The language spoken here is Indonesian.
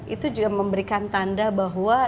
itu juga memberikan tanda bahwa